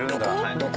どこ？